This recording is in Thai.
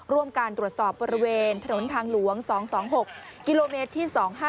ร่วมการตรวจสอบบริเวณถนนทางหลวง๒๒๖กิโลเมตรที่๒๕๖